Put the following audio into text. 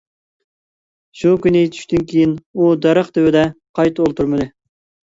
شۇ كۈنى چۈشتىن كېيىن ئۇ دەرەخ تۈۋىدە قايتا ئولتۇرمىدى.